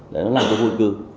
đấy nó nằm trong khu dân cư